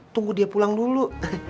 tunggu dia pulang dulu